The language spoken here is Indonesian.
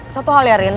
satu hal ya rin